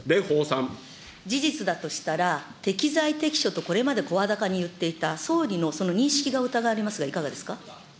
事実だとしたら、適材適所とこれまで声高に言っていた総理のその認識が疑われます